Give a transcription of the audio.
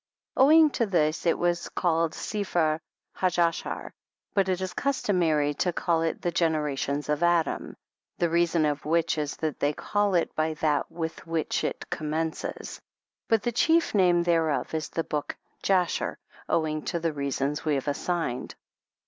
Owing to this it was called Sepher Hajashar, but it is customary to call it the Generations of Adam, the reason of which is that they call it by that with which it com mences, but the chief name thereof is the book " Jasher" owing to the reasons we have assigned.